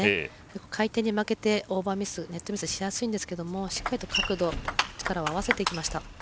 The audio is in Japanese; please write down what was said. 回転に負けてオーバーミスネットミスしやすいんですけど角度、力を合わせていきました。